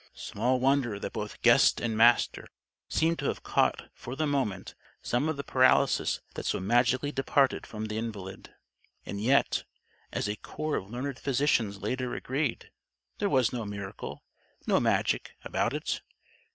Small wonder that both guest and Master seemed to have caught, for the moment, some of the paralysis that so magically departed from the invalid! And yet as a corps of learned physicians later agreed there was no miracle no magic about it.